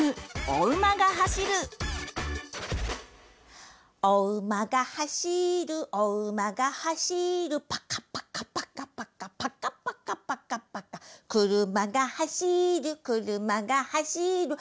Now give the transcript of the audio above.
「おうまがはしるおうまがはしる」「パカパカパカパカパカパカパカパカ」「くるまがはしるくるまがはしる」